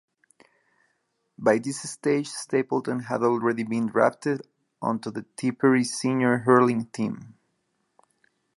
By this stage Stapleton had already been drafted onto the Tipperary senior hurling team.